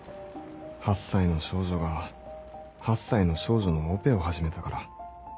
８歳の少女が８歳の少女のオペを始めたから。